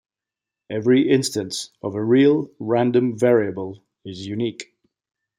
Every instance of a real random variable is unique.